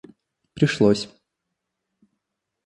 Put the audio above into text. пришлось